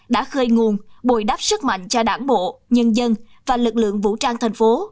đã khơi nguồn bồi đắp sức mạnh cho đảng bộ nhân dân và lực lượng vũ trang thành phố